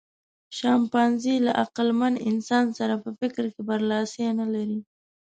شامپانزي له عقلمن انسان سره په فکر کې برلاسی نهلري.